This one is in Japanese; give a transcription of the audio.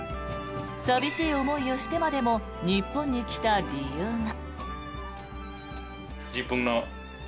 寂しい思いをしてまでも日本に来た理由が。